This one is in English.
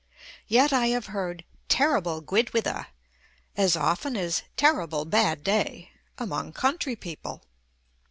Yet I have heard "Terrible guid wither" as often as "Terrible bad day" among country people.